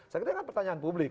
saya kira kan pertanyaan publik